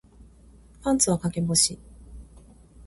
パンツは陰干し